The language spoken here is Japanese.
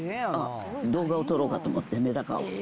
動画を撮ろうかと思って、メダカを。